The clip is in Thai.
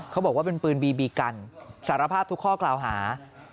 เขาบอกว่าเป็นปืนบีบีกันสารภาพทุกข้อกล่าวหา